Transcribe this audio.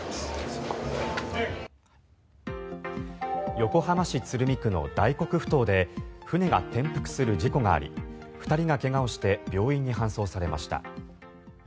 横浜市鶴見区の大黒ふ頭で船が転覆する事故があり２人が怪我をして病院に搬送されました。